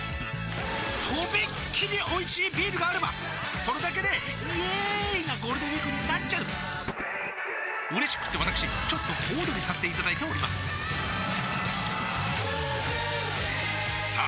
とびっきりおいしいビールがあればそれだけでイエーーーーーイなゴールデンウィークになっちゃううれしくってわたくしちょっと小躍りさせていただいておりますさあ